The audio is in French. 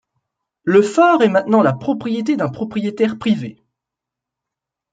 Le fort est maintenant la propriété d'un propriétaire privé.